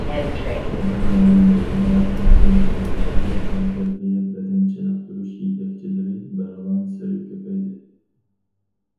شەھەر رايونى ۋە ھەر قايسى ناھىيەلەردە تەنتەربىيە، بەدەن چېنىقتۇرۇش يېتەكچىلىرى بارغانسېرى كۆپەيدى.